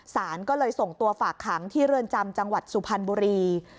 สารก็เลยส่งตัวฝากขังที่เรือนจำจังหวัดสุพรรณบุรี